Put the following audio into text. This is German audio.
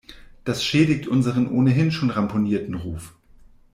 Das schädigt unseren ohnehin schon ramponierten Ruf.